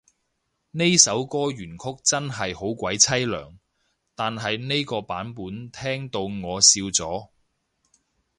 呢首歌原曲真係好鬼淒涼，但係呢個版本聽到我笑咗